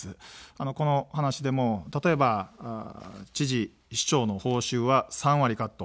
この話でも例えば、知事の報酬は３割カット。